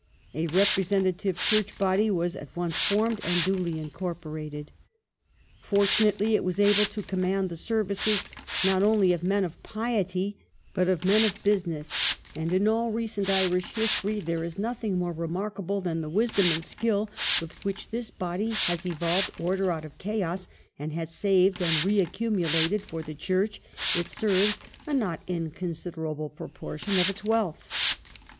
A representative Church Body was at once formed, and duly incorporated. Fortunately it was able to command the services, not only of men of piety, but of men of business, and in all recent Irish history there is nothing more remarkable than the wisdom and skill with which this Body has evolved order out of chaos, and has saved and reaccumulated for the Church it serves a not inconsiderable proportion of its wealth.